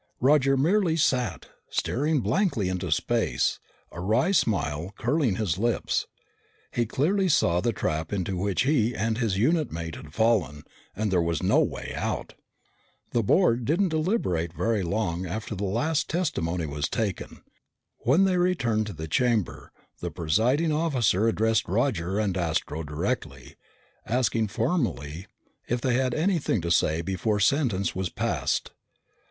Roger merely sat, staring blankly into space, a wry smile curling his lips. He clearly saw the trap into which he and his unit mate had fallen, and there was no way out. The board didn't deliberate very long after the last testimony was taken. When they returned to the chamber, the presiding officer addressed Roger and Astro directly, asking formally whether they had anything to say before sentence was passed.